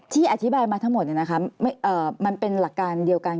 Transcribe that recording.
อธิบายมาทั้งหมดมันเป็นหลักการเดียวกัน